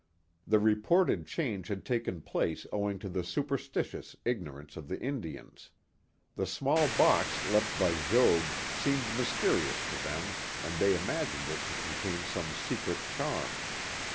The reported change had taken place owing to the super stitious ignorance of the Indians. The small box left by Jogues seemed mysterious to them and they imagined it to contain some secret charm.